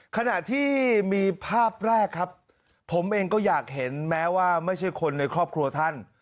ขณะที่มีภาพแรกครับผมเองก็อยากเห็นแม้ว่าไม่ใช่คนในครอบครัวท่าน